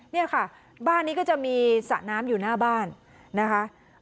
เนี่ยค่ะบ้านนี้ก็จะมีสระน้ำอยู่หน้าบ้านนะคะ